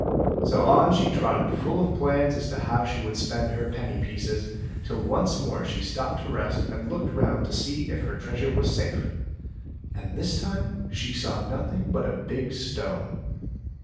So on she trotted full of plans as to how she would spend her penny pieces, till once more she stopped to rest and looked round to see if her treasure was safe. And this time she saw nothing but a big stone.